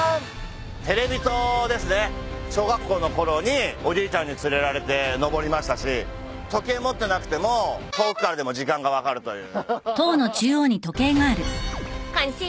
ババン！小学校のころにおじいちゃんに連れられて上りましたし時計持ってなくても遠くからでも時間が分かるという。